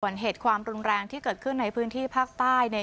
ส่วนเหตุความรุนแรงที่เกิดขึ้นในพื้นที่ภาคใต้